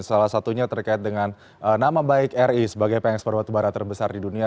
salah satunya terkait dengan nama baik ri sebagai pengekspor batubara terbesar di dunia